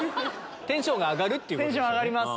テンションが上がるってことですよね。